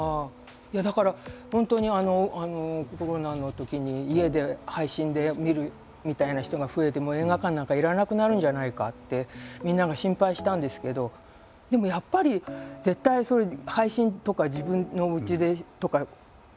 いやだから本当にコロナのときに家で配信で見るみたいな人が増えて映画館なんか要らなくなるんじゃないかってみんなが心配したんですけどでもやっぱり絶対それ配信とか自分のうちでとかスマホでっていうこととは違う体験なはずで。